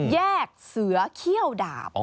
แยกเสือเขี้ยวดาบ